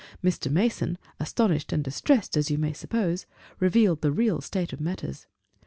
Mr. Mason, astonished and distressed, as you may suppose, revealed the real state of matters.